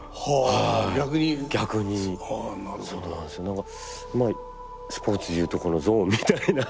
何かまあスポーツでいうところのゾーンみたいな。